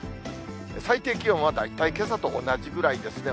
最低気温は大体けさと同じくらいですね。